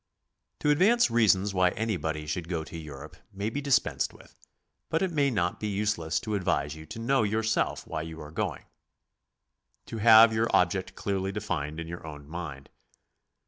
To advance reasons why anybody should go to Europe may be dispensed with, but it may not be useless to advise you to know yourself why you are going, to have your object clearly defined in your own mind.